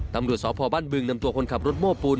ตำรวจสพบ้านบึงนำตัวคนขับรถโม้ปูน